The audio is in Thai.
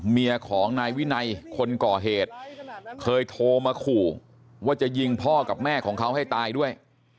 เมียของนายวินัยคนก่อเหตุเคยโทรมาขู่ว่าจะยิงพ่อกับแม่ของเขาให้ตายด้วย